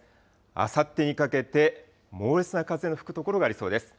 あさってにかけて猛烈な風の吹く所がありそうです。